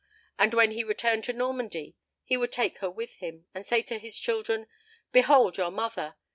And when he returned to Normandy he would take her with him, and say to his children, "Behold your mother!"